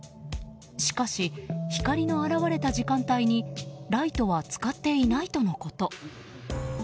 しかし光の現れた時間帯にライトは使っていないとのこと。